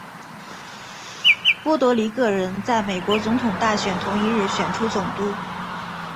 波多黎各人在美国总统大选同一日选出总督。